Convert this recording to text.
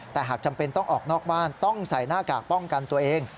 แต่หากจำเป็นต้องออกนอกบ้านต้องใส่หน้ากากป้องกันตัวเอง